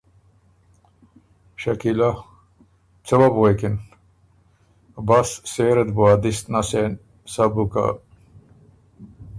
شکیلۀ ـــ څۀ وه بو غوېکِن۔ بس سېره ت بُو ا دِس نسېن۔ سَۀ بُو که۔۔۔۔۔